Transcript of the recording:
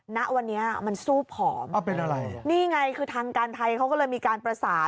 ณวันนี้มันสู้ผอมเป็นอะไรนี่ไงคือทางการไทยเขาก็เลยมีการประสาน